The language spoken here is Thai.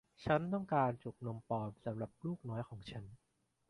ฉันต้องการจุกนมปลอมสำหรับลูกน้อยของฉัน